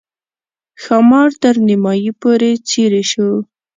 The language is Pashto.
ښامار تر نیمایي پورې څېرې شو.